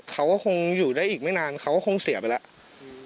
เขาก็คงอยู่ได้อีกไม่นานเขาก็คงเสียไปแล้ว